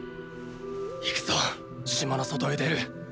行くぞ島の外へ出る。